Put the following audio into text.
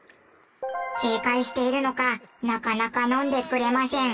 警戒しているのかなかなか飲んでくれません。